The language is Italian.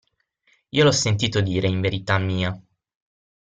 Io l'ho sentito dire, in verità mia.